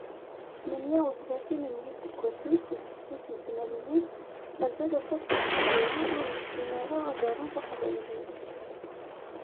Tmanya utlatin n yiseggasen si tefsut n tmanyin, mazal aṭas n leqbayel ur nessin ara ad arun taqbaylit.